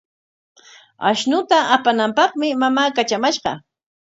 Ashnuta apanaapaqmi mamaa katramashqa.